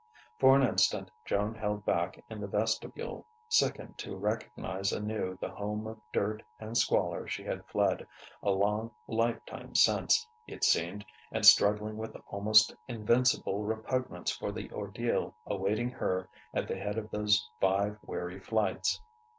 For an instant Joan held back in the vestibule, sickened to recognize anew the home of dirt and squalor she had fled, a long lifetime since, it seemed, and struggling with almost invincible repugnance for the ordeal awaiting her at the head of those five weary flights.